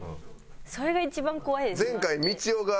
それが一番怖いです。